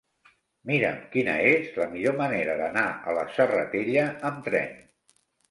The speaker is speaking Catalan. Mira'm quina és la millor manera d'anar a la Serratella amb tren.